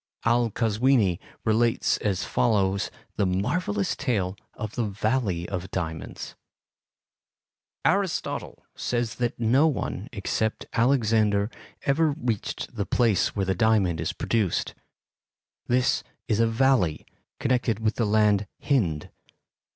Al Kazwini relates as follows the marvellous tale of the Valley of Diamonds: "Aristotle says that no one except Alexander ever reached the place where the diamond is produced. This is a valley, connected with the land Hind.